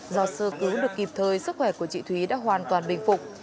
do sơ cứu được kịp thời sức khỏe của chị thúy đã hoàn toàn bình phục